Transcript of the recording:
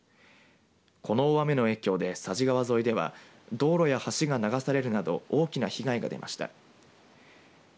この大雨の影響で佐治川沿いでは道路や橋が流されるなど大きな被害が出ました。